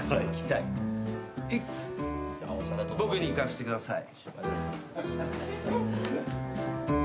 僕にいかせてください。